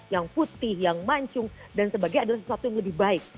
yang putih yang mancung dan sebagainya adalah sesuatu yang lebih baik